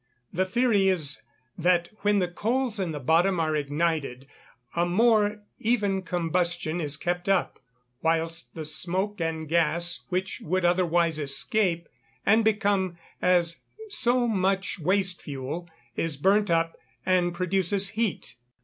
The theory is, that when the coals in the bottom are ignited, a more even combustion is kept up, whilst the smoke and gas which would otherwise escape, and become as so much waste fuel, is burnt up, and produces heat.